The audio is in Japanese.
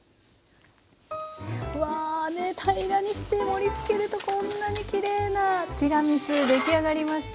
うわねえ平らにして盛りつけるとこんなにきれいなティラミス出来上がりました。